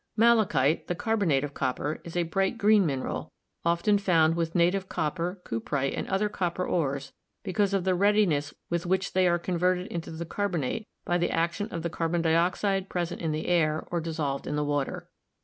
Malachite, the carbonate of copper, is a bright green mineral, often found with native copper, cuprite, and other copper ores because of the readiness with which they are converted into the carbonate by the action of the carbon dioxide present in the air or dissolved in the water.